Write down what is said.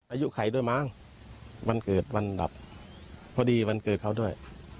อายุใครด้วยมั้งวันเกิดวันดับพอดีวันเกิดเขาด้วย